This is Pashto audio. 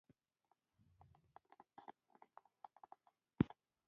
د پله د پاسه په ګرد کې ټکسي ته په تمه شوو.